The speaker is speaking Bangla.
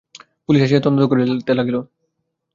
পুলিস আসিয়া তদন্ত করিতে লাগিল।